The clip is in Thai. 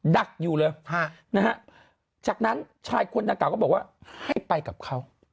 ดักอยู่เลยนะฮะจากนั้นชายคนดังกล่าก็บอกว่าให้ไปกับเขา